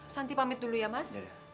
santi pamit dulu ya mas